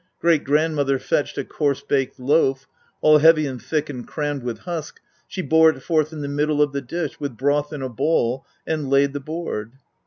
4. Great grandmother fetched a coarse baked loaf, all heavy and thick and crammed with husk: she bore it forth in the middle of the dish, with broth in a bowl, and laid the board.